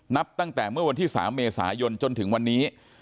นับตั้งแต่เมื่อวันที่๓เมษายนจนถึงวันนี้